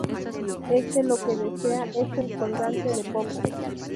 Este lo que desea es el colgante de Popo.